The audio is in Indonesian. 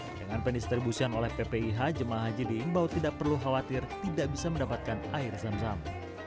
dengan pendistribusian oleh ppih jemaah haji diimbau tidak perlu khawatir tidak bisa mendapatkan air zam zam